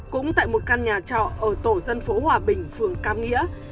cũng tại một căn nhà trọ ở tổ dân phố hòa bình phường cam nghĩa